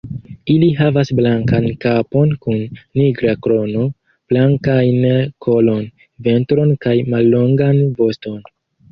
Ili havas blankan kapon kun nigra krono, blankajn kolon, ventron kaj mallongan voston.